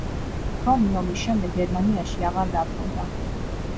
ფრომი ომის შემდეგ გერმანიაში აღარ დაბრუნდა.